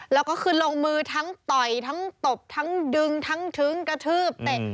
แล้วก็คือลงมือทั้งต่อยทั้งตบทั้งดึงทั้งทึ้งกระทืบเตะ